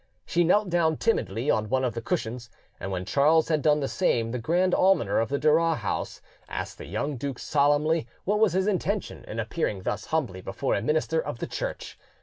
She knelt down timidly on one of the cushions, and when Charles had done the same, the grand almoner of the Duras house asked the young duke solemnly what was his intention in appearing thus humbly before a minister of the Church.